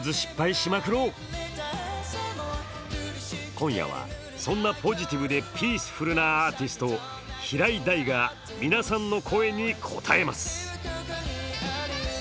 今夜は、そんなポジティブでピースフルなアーティスト平井大が皆さんの声に応えます。